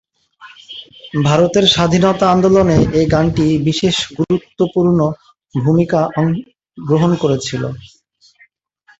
ভারতের স্বাধীনতা আন্দোলনে এই গানটি বিশেষ গুরুত্বপূর্ণ ভূমিকা গ্রহণ করেছিল।